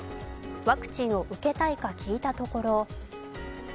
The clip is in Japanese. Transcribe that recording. ワクチンを受けたいか聞いたところ